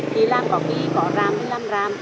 thì làm có cái cỏ ràm thì làm ràm